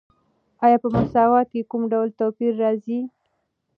آیا په مساوات کې کوم ډول توپیر راځي؟